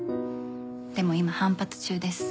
でも今反発中です。